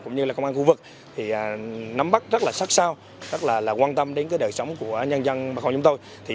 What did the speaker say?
cũng như công an khu vực nắm bắt rất sắc sao rất quan tâm đến đời sống của nhân dân bà con chúng tôi